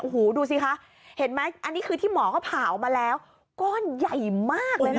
โอ้โหดูสิคะเห็นไหมอันนี้คือที่หมอเขาผ่าออกมาแล้วก้อนใหญ่มากเลยนะ